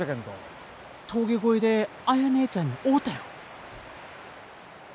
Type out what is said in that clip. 峠越えで綾ねえちゃんに会うたよ。